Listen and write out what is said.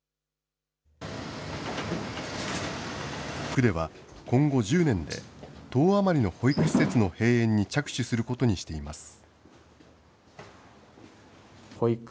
区では、今後１０年で１０余りの保育施設の閉園に着手することにしています。